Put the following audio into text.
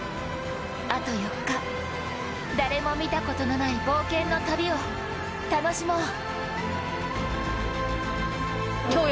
あと４日、誰も見たことのない冒険の旅を楽しもう。